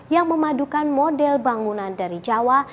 yang memadukan model bangunan dari jawa